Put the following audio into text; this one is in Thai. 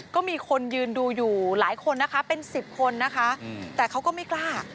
ก็มีคนยืนดูอยู่หลายคนนะคะเป็น๑๐คนนะคะแต่เขาก็ไม่กล้า